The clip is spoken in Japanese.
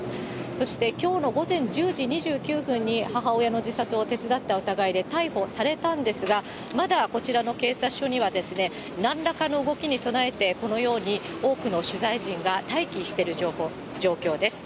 そしてきょうの午前１０時２９分に母親の自殺を手伝った疑いで逮捕されたんですが、まだこちらの警察署には、なんらかの動きに備えて、このように多くの取材陣が待機してる状況です。